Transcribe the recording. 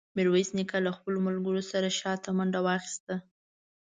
میرویس نیکه له خپلو ملګرو سره شاته منډه واخیسته.